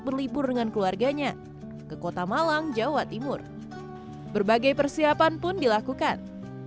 berlibur dengan keluarganya ke kota malang jawa timur berbagai persiapan pun dilakukan